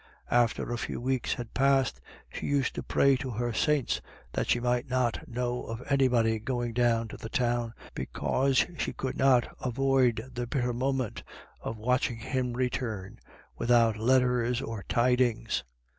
After a few weeks had passed, she used to pray to her saints that she might not know of anybody going down to the Town, because she could not avoid the bitter moment of watching him return without letter or tidings.